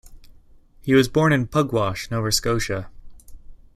He was born in Pugwash, Nova Scotia.